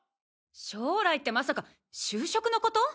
将来ってまさか就職のこと？